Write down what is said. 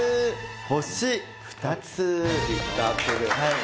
星２つ。